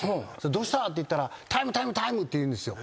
「どうした？」って言ったら「タイムタイムタイム」って言うんですよ。